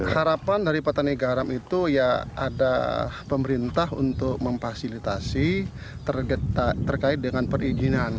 harapan dari petani garam itu ya ada pemerintah untuk memfasilitasi terkait dengan perizinan